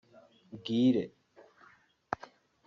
Bwire